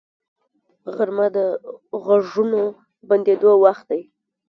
غرمه د غږونو بندیدو وخت دی